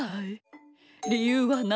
りゆうはないの。